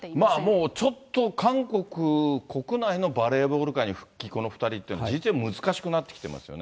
もうちょっと韓国国内のバレーボール界に復帰、この２人というのは事実上、難しくなってますね。